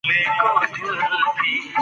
ښوونځي اوس روښانه اصول لري.